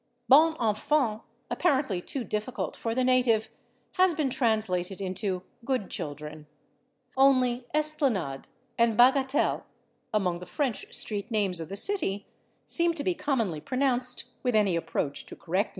/Bon Enfants/, apparently too difficult for the native, has been translated into /Good Children/. Only /Esplanade/ and /Bagatelle/, among the French street names of the city, seem to be commonly pronounced with any approach to correctness.